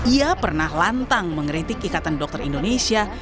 ia pernah lantang mengeritik ikatan dokter indonesia